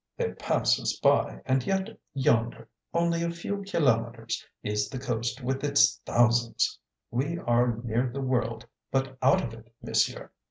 They pass us by, and yet yonder only a few kilometres is the coast with its thousands. We are near the world but out of it, monsieur."